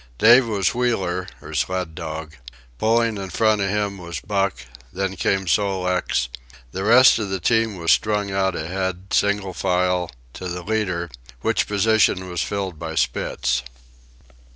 Dave was wheeler or sled dog, pulling in front of him was Buck, then came Sol leks; the rest of the team was strung out ahead, single file, to the leader, which position was filled by Spitz.